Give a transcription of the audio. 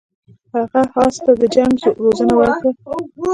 هغه اس ته د جنګ روزنه ورکړه.